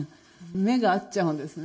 目が合っちゃうんですね。